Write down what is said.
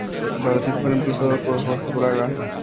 Bardi fue reemplazado por Jorge Fraga.